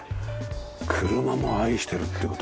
車も愛してるって事？